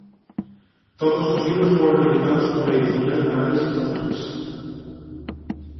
Todos sus libros fueron editados por la editorial Morales i Torres.